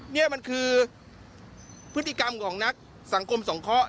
นี่มันคือพฤติกรรมของนักสังคมสงเคราะห